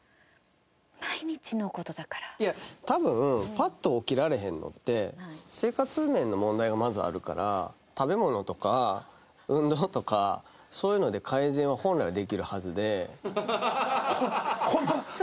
いや多分パッと起きられへんのって生活面の問題がまずあるから食べ物とか運動とかそういうので改善は本来できるはずで。